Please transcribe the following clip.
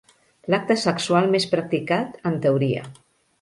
L'acte sexual més practicat, en teoria.